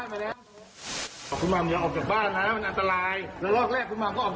เอ้อเกือบควิวิช